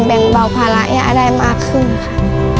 แบ่งเบาภาระย่าได้มากขึ้นค่ะ